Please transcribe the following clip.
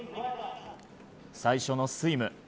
最初のスイム。